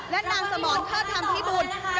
และนางสมอนเทอดธรรมพิบูรณ์